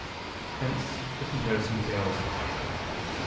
Hence the comparison fails.